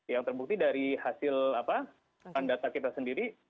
yang terbukti dari hasil apa pandata kita sendiri